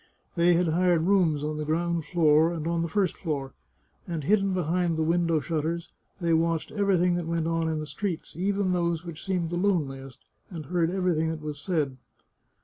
They had hired rooms on the ground floor and on the first floor, and, hidden behind the window shut ters, they watched everything that went on in the streets, even those which seemed the loneliest, and heard every thing that was said.